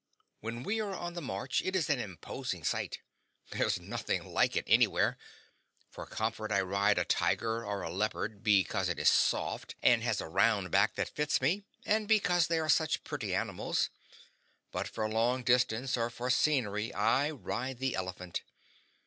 When we are on the march, it is an imposing sight there's nothing like it anywhere. For comfort I ride a tiger or a leopard, because it is soft and has a round back that fits me, and because they are such pretty animals; but for long distance or for scenery I ride the elephant.